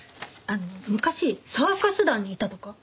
昔サーカス団にいたとか。